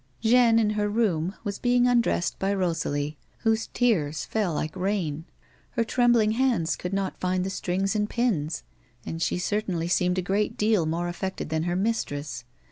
Jeanne, in her room, was being undressed by Rosalie, whose tears fell like rain ; her trembling hands could not find the strings and pins, and she certainly seemed a great deal more affected than her mistress.